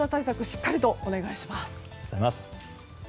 しっかりとお願いします。